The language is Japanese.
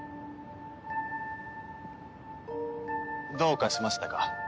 どうかしましたか？